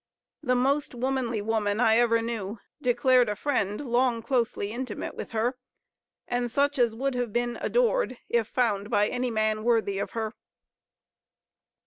"The most womanly woman I ever knew," declared a friend long closely intimate with her, "and such as would have been adored, if found by any man worthy of her."